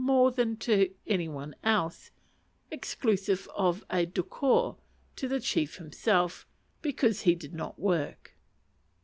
more than to any one else, exclusive of a douceur to the chief himself, because he did not work.